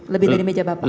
lebih dari meja bapak